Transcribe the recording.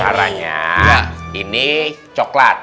caranya ini coklat